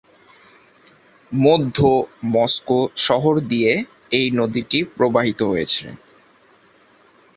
মধ্য মস্কো শহর দিয়ে এই নদীটি প্রবাহিত হয়েছে।